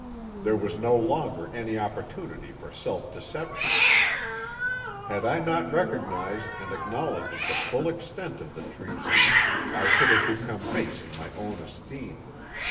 There was no longer any opportunity for self deception. Had I not recognised and acknowledged the full extent of the treason, I should have become base in my own esteem.